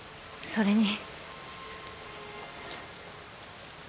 それに。